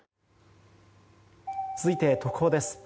続いて、特報です。